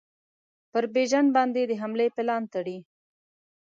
پر بیژن باندي د حملې پلان تړي.